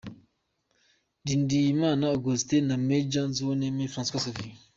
Ndindiriyimana Augustin na Major Nzuwonemeye François Xavier.